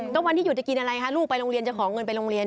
แล้ววันที่หยุดจะกินอะไรคะลูกไปโรงเรียนจะขอเงินไปโรงเรียน